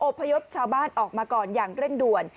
พยพชาวบ้านออกมาก่อนอย่างเร่งด่วน